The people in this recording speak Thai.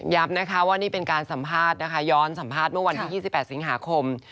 นะคะว่านี่เป็นการสัมภาษณ์นะคะย้อนสัมภาษณ์เมื่อวันที่๒๘สิงหาคม